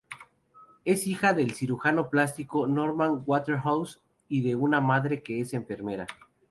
Es hija del cirujano plástico Norman Waterhouse y de una madre que es enfermera.